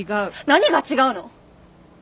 何が違うの！？